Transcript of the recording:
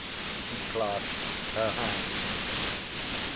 She clasped her hands.